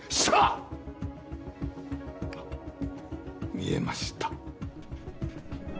見えました。